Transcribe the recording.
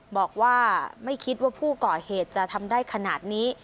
บอกว่าไม่คิดว่าผู้ก่อเหตุจะทำได้ขนาดนี้